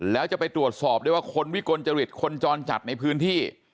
แล้วจะไปตรวจสอบได้ว่าคนวิกลจริตคนจรจัดในพื้นที่